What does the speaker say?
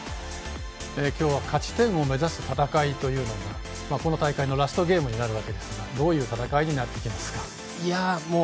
今日は勝ち点を目指す戦いというのがこの大会のラストゲームになるわけですがどういう戦いになってきますか？